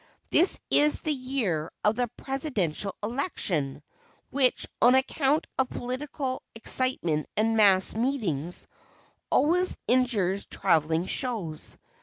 This is the year of the presidential election, which, on account of political excitement and mass meetings, always injures travelling shows.